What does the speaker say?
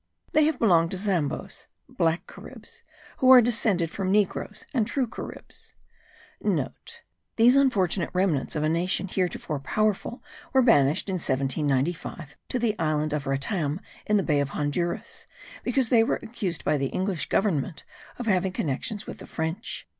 They have belonged to Zambos (black Caribs) who are descended from Negroes and true Caribs.* (* These unfortunate remnants of a nation heretofore powerful were banished in 1795 to the Island of Rattam in the Bay of Honduras because they were accused by the English Government of having connexions with the French.